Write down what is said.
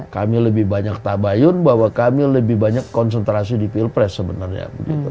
kami lebih banyak tabayun bahwa kami lebih banyak konsentrasi di pilpres sebenarnya